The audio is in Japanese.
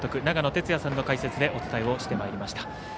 長野哲也さんの解説でお伝えをしてまいりました。